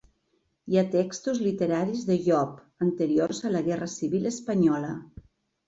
Hi ha textos literaris de Llop anteriors a la Guerra civil espanyola.